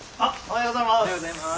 おはようございます。